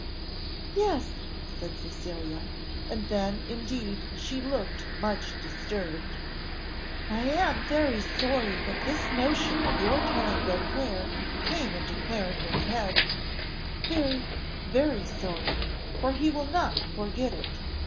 "Yes," said Cecilia; and then indeed she looked much disturbed. "I am very sorry that this notion of your telling Beauclerc came into Clarendon's head very, very sorry, for he will not forget it.